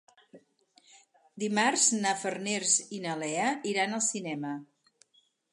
Dimarts na Farners i na Lea iran al cinema.